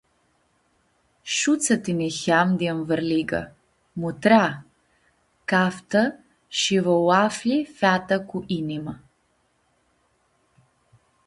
Shutsã ti niheam di ãnvãrliga, mutrea, caftã shi va u-aflji feata cu inimã.